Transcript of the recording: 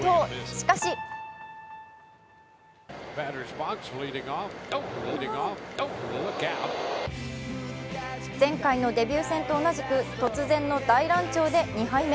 しかし前回のデビュー戦と同じく突然の大乱調で２敗目。